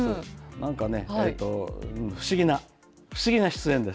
なんかね、不思議な、不思議な出演です。